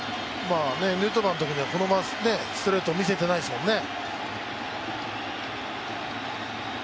ヌートバーにはストレート見せてないですもんね。